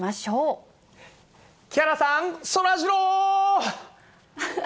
木原さん、そらジロー。